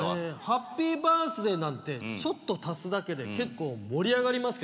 「ハッピーバースデー」なんてちょっと足すだけで結構盛り上がりますけどね。